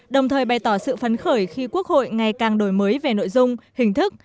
đồng thời bày tỏ sự phấn khởi khi quốc hội ngày càng đổi mới về nội dung hình thức